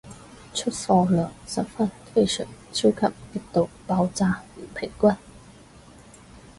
出貨量十分非常超級極度爆炸唔平均